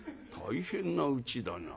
「大変なうちだな。